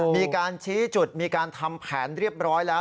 มีการชี้จุดมีการทำแผนเรียบร้อยแล้ว